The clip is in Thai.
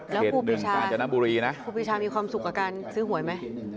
แล้วครูปีชาครูปีชามีความสุขกับการซื้อหวยไหม